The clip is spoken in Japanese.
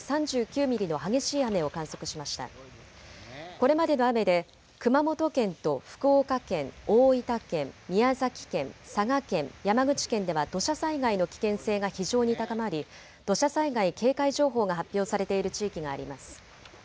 これまでの雨で熊本県と福岡県、大分県、宮崎県、佐賀県、山口県では土砂災害の危険性が非常に高まり土砂災害警戒情報が発表されている地域があります。